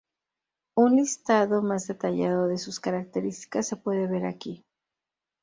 Un listado más detallado de sus características se puede ver aquí.